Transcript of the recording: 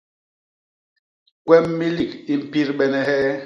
Kwem milik i mpidbene hee?